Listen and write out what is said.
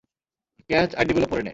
Catch আইডিগুলো পরে নে।